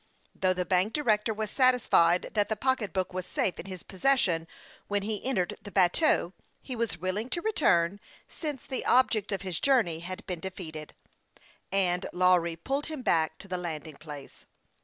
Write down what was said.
Though the bank director was satisfied that the pocketbook was safe in his possession when he entered the ba teau, he was willing to return, since the object of his THE YOUNG PILOT OF LAKE CHAMPLATN. 51 > journey had been defeated, and Lawry pulled him back to the landing place.